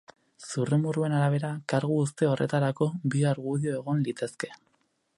Zurrumurruen arabera, kargu uzte horretarako bi argudio egon litezke.